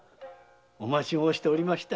お待ち申しておりました。